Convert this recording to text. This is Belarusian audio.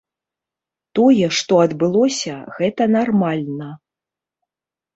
Тое, што адбылося, гэта нармальна.